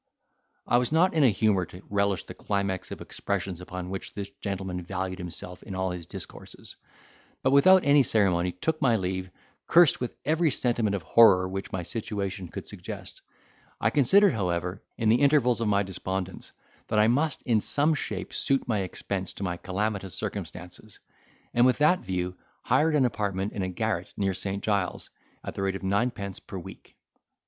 I was not in a humour to relish the climax of expressions upon which this gentleman valued himself in all his discourses; but, without any ceremony, took my leave, cursed with every sentiment of horror which my situation could suggest. I considered, however, in the intervals of my despondence, that I must, in some shape suit my expense to my calamitous circumstances, and with that view hired an apartment in a garret near St. Giles's, at the rate of nine pence per week.